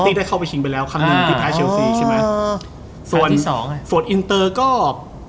แต่เขายังไม่ได้แชมป์